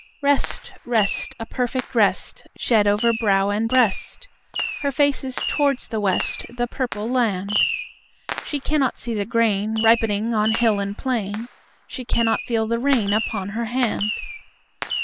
Rest, rest, a perfect rest Shed over brow and breast; Her face is toward the west, The purple land. She cannot see the grain Ripening on hill and plain; She cannot feel the rain Upon her hand.